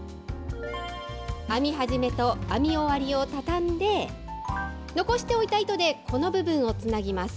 編み始めと編み終わりを畳んで、残しておいた糸でこの部分をつなぎます。